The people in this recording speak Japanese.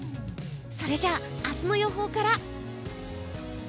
それじゃ、明日の予報から。